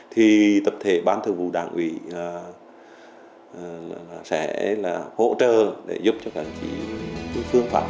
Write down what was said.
thì tập thể ban thường vụ đảng ủy sẽ là hỗ trợ để giúp cho các đồng chí phương pháp